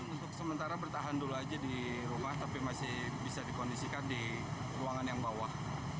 untuk sementara bertahan dulu aja di rumah tapi masih bisa dikondisikan di ruangan yang bawah